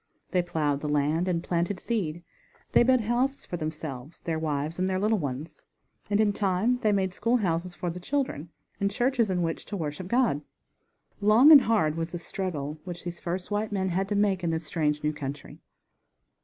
They plowed the land and planted seed; they built houses for themselves, their wives, and little ones, and in time they made school houses for the children, and churches in which to worship God. Long and hard was the struggle which these first white men had to make in this strange, new country.